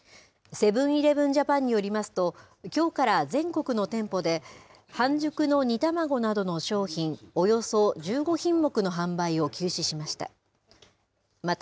セブン−イレブン・ジャパンによりますと、きょうから全国の店舗で、半熟の煮卵などの商品およそ１５品目の販売を休止しました。